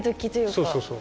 そうそうそう。